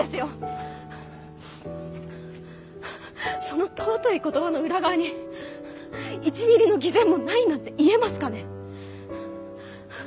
その尊い言葉の裏側に１ミリの偽善もないなんて言えますかね？